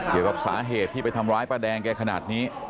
เกี่ยวกับสาเหตุที่ไปทำร้ายป้าแดงแกขนาดนี้